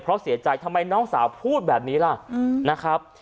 เพราะเสียใจทำไมน้องสาวพูดแบบนี้ล่ะนะครับ